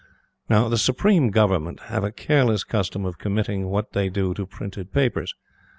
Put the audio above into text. Now, the Supreme Government have a careless custom of committing what they do to printed papers.